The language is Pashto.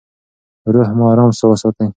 روح مو ارام وساتئ.